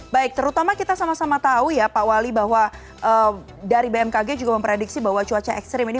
baik terutama kita sama sama tahu ya pak wali bahwa dari bmkg juga memprediksi bahwa cuaca ekstrim ini